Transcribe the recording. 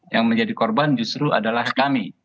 yang menjadi korban justru adalah kami